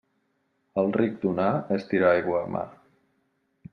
Al ric donar és tirar aigua a mar.